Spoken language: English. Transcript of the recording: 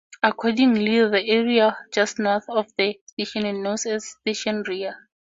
Accordingly, the area just north of the station is known as station rear.